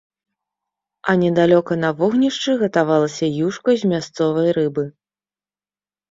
А недалёка на вогнішчы гатавалася юшка з мясцовай рыбы.